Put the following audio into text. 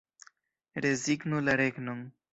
Rezignu la regnon.